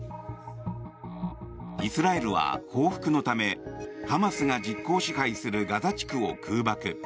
イスラエルは報復のためハマスが実効支配するガザ地区を空爆。